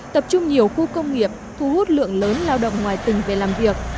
tập trung nhiều khu công nghiệp thu hút lượng lớn lao động ngoài tỉnh về làm việc